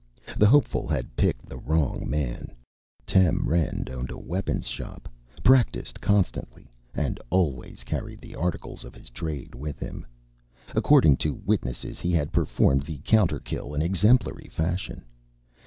The hopeful had picked on the wrong man. Tem Rend owned a weapon shop, practiced constantly, and always carried the articles of his trade with him. According to witnesses, he had performed the counterkill in exemplary fashion.